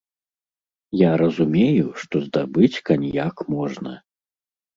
Я разумею, што здабыць каньяк можна.